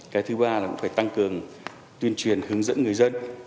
cái thứ ba là cũng phải tăng cường tuyên truyền hướng dẫn người dân